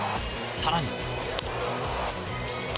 更に。